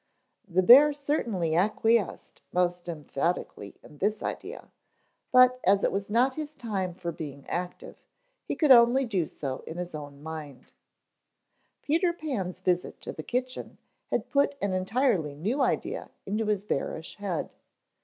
The bear certainly acquiesced most emphatically in this idea, but as it was not his time for being active he could only do so in his own mind. Peter Pan's visit to the kitchen had put an entirely new idea into his bearish head.